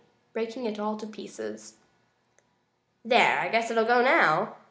breaking it all to pieces! "There, I guess it'll go now!"